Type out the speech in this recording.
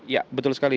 ya betul sekali